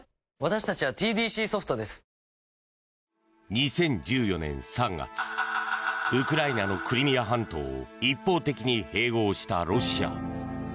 ２０１４年３月ウクライナのクリミア半島を一方的に併合したロシア。